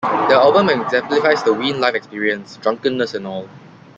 The album exemplifies the Ween live experience, drunkenness and all.